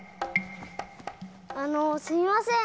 あのすいません。